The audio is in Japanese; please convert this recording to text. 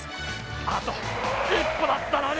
あと一歩だったのに。